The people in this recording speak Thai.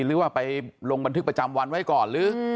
หรือว่าไปลงบันทึกประจำวันไว้ก่อนหรือ